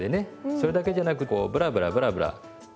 それだけじゃなくこうブラブラブラブラ。